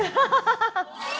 ハハハハハ！